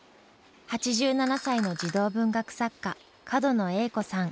８７歳の児童文学作家角野栄子さん。